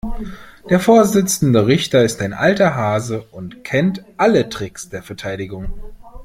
Der Vorsitzende Richter ist ein alter Hase und kennt alle Tricks der Verteidigung.